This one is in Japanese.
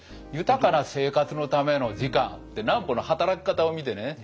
「豊かな生活のための時間」って南畝の働き方を見てね